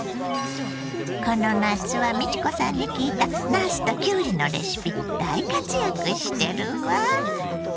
この夏は美智子さんに聞いたなすときゅうりのレシピ大活躍してるわ。